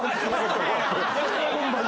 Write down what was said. ホンマに。